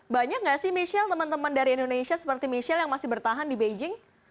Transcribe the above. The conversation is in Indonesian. banyak nggak sih michelle teman teman dari indonesia seperti michelle yang masih bertahan di beijing